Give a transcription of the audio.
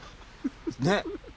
ねっ。